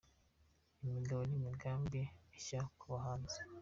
Imigabo n’imigambi mishya ku bahanzi